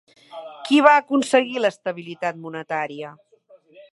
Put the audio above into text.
Qui va aconseguir l'estabilitat monetària?